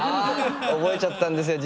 覚えちゃったんですよ